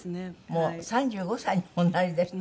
もう３５歳におなりですって？